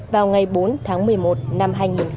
vào ngày bốn tháng một mươi một năm hai nghìn một mươi chín